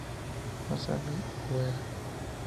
Masami Ueda